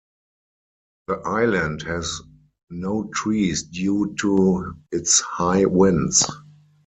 The island has no trees due to its high winds.